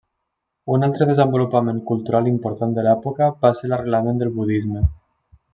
Un altre desenvolupament cultural important de l'època va ser l'arrelament del budisme.